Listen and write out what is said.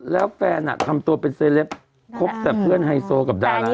แล้วแฟนอ่ะทำตัวเป็นเซลปครบแต่เพื่อนไฮโซกับดารานี่ป่ะ